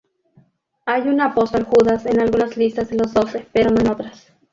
Hay un apóstol Judas en algunas listas de los Doce, pero no en otras.